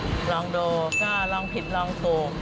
เออลองดูลองผิดลองถูก